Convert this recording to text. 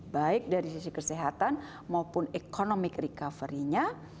baik dari sisi kesehatan maupun ekonomi recovery nya